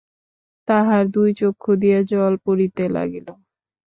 তাঁহার দুই চক্ষু দিয়া জল পড়িতে লাগিল।